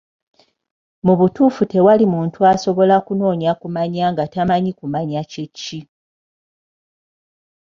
Mu butuufu tewali muntu asobola kunoonya kumanya nga tamanyi okumanya kye ki?